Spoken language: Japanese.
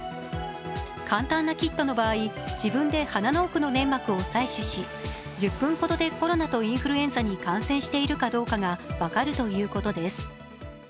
簡単なキットの場合、自分で鼻の奥の粘膜を採取し１０分ほどでコロナとインフルエンザに感染しているかどうかが分かるということです。